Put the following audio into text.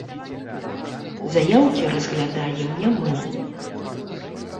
Заяўкі разглядаем не мы.